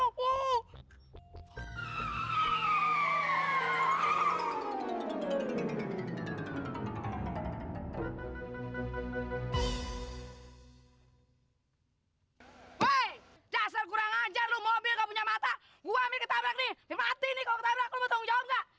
woi dasar kurang ajar lo mobil gak punya mata gua ambil ketabrak nih mati nih kalo ketabrak lo tau ngejauh gak